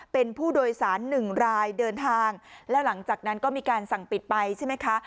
เป็นผู้โดยสารหนึ่งรายเดินทางแล้วหลังจากนั้นก็มีการสั่งปิดไปใช่ไหมคะ